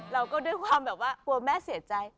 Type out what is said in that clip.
เราก็ด้วยความแบบว่ากลัวแม่เสียใจ